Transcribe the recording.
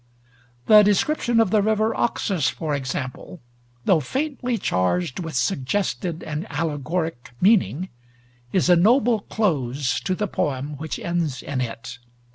The description of the river Oxus, for example, though faintly charged with suggested and allegoric meaning, is a noble close to the poem which ends in it.